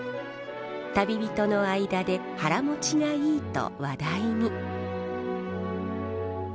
旅人の間で腹もちがいいと話題に。